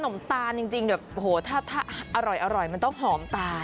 ขนมตาลจริงถ้าอร่อยมันต้องหอมตาล